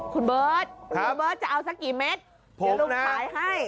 คุณเบิร์ตคุณเบิร์ตจะเอาสักกี่เม็ดเดี๋ยวลุงขายให้